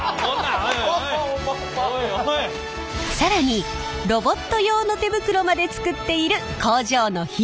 更にロボット用の手袋まで作っている工場の秘密に迫ります！